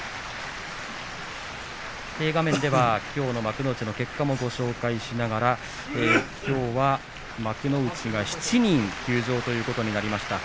画面ではきょうの幕内の結果もご紹介しながらきょうは幕内が７人休場ということになりました。